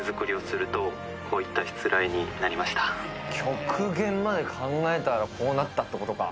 極限まで考えたらこうなったってことか。